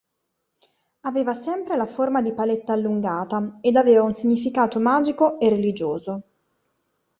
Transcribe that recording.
Aveva sempre la forma di paletta allungata ed aveva un significato magico e religioso.